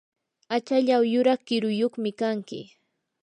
achallaw yuraq kiruyuqmi kanki.